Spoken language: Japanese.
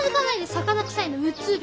魚臭いのうつる！